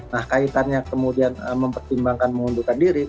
nah kaitannya kemudian mempertimbangkan mengundurkan diri